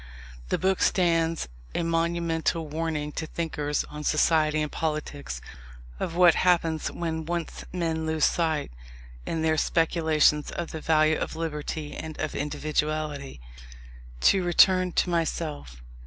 The book stands a monumental warning to thinkers on society and politics, of what happens when once men lose sight, in their speculations, of the value of Liberty and of Individuality. To return to myself.